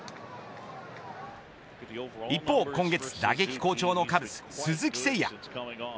一方、今月打撃好調のカブス、鈴木誠也。